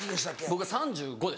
僕は３５です。